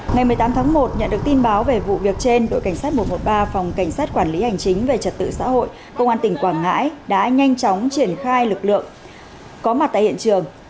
ngày một mươi tám tháng một nhận được tin báo về vụ việc trên đội cảnh sát một trăm một mươi ba phòng cảnh sát quản lý hành chính về trật tự xã hội công an tỉnh quảng ngãi đã nhanh chóng triển khai lực lượng có mặt tại hiện trường